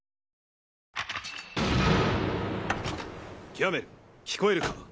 キャメル聞こえるか？